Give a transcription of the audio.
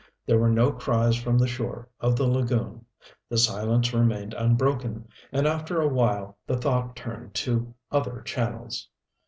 There were no cries from the shore of the lagoon. The silence remained unbroken, and after awhile the thought turned to other channels.